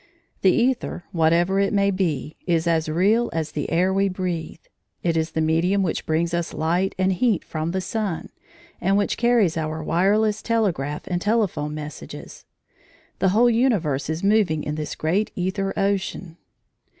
The æther, whatever it may be, is as real as the air we breathe. It is the medium which brings us light and heat from the sun, and which carries our wireless telegraph and telephone messages. The whole universe is moving in this great æther ocean.